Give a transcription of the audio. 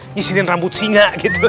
nyisirin rambut singa gitu